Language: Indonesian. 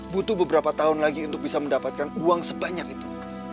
butuh beberapa tahun lagi untuk bisa mendapatkan uang sebanyak itu